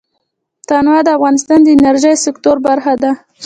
تنوع د افغانستان د انرژۍ سکتور برخه ده.